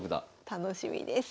楽しみです。